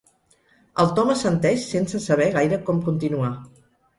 El Tom assenteix sense saber gaire com continuar.